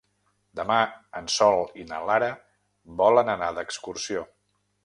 Demà en Sol i na Lara volen anar d'excursió.